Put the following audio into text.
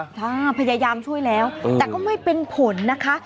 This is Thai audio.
พยายามช่วยแล้วแต่ก็ไม่เป็นผลนะคะ